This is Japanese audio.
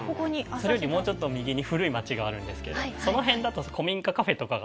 それよりもうちょっと右に古い街があるんですけどその辺だと古民家カフェとかが。